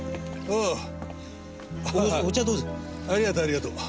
ありがとうありがとう。